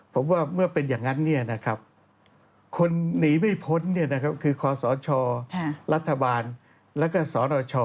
ผมว่าเมื่อเป็นอย่างนั้นคนหนีไม่พ้นคือคอสชรัฐบาลแล้วก็สนช